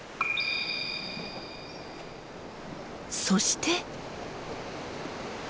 そして。